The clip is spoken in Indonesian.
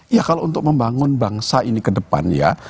ya kalau untuk membangun bangsa ini ke depan ya